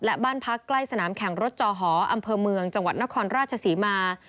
และบ้านพักใกล้สนามแข่งรถจอหออำเภอเมืองจังหวัดนครราชศรีมา